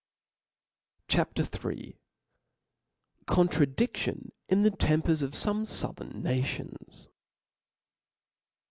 CHAP. III. ContradiBion in the Tempers of fome fouthern Nations.